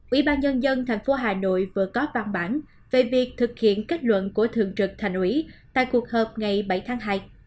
ủy ban nhân dân tp hà nội vừa có văn bản về việc thực hiện kết luận của thường trực thành ủy tại cuộc họp ngày bảy tháng hai